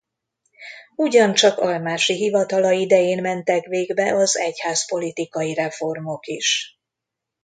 Ugyancsak Almásy hivatala idején mentek végbe az egyházpolitikai reformok is.